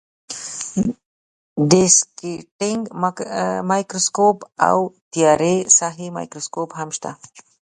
دیسکټینګ مایکروسکوپ او د تیارې ساحې مایکروسکوپ هم شته.